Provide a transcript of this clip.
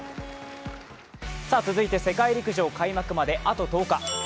続いて世界陸上開幕まであと１０日。